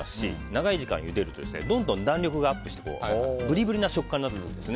長い時間ゆでるとどんどん弾力がアップしてブリブリな食感になるんです。